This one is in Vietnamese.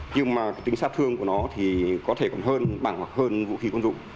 nhưng mà tính sát thương của nó thì có thể còn hơn bằng hoặc hơn vũ khí quân dụng